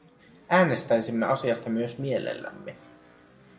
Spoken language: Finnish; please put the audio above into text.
Äänestäisimme asiasta myös mielellämme.